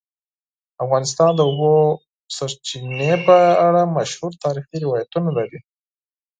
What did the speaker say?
افغانستان د د اوبو سرچینې په اړه مشهور تاریخی روایتونه لري.